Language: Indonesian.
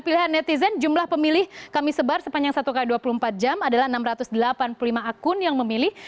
pilihan netizen jumlah pemilih kami sebar sepanjang satu x dua puluh empat jam adalah enam ratus delapan puluh lima akun yang memilih